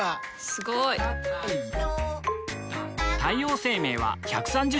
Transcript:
すごい！太陽生命は１３０周年